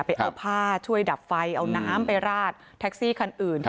ไปเอาผ้าช่วยดับไฟเอาน้ำไปราดแท็กซี่คันอื่น